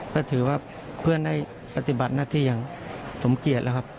ก็ถือว่าเพื่อนได้ปฏิบัติหน้าที่อย่างสมเกียจแล้วครับ